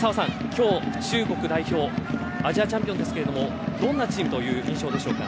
今日、中国代表アジアチャンピオンですけれどもどんなチームという印象でしょうか？